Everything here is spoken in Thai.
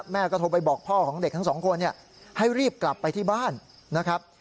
แม่ก็โทรไปบอกพ่อของเด็กทั้งสองคนให้รีบกลับไปที่บ้านนะครับ